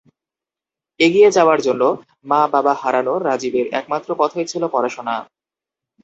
এগিয়ে যাওয়ার জন্য মা বাবা হারানো রাজীবের একমাত্র পথই ছিল পড়াশোনা।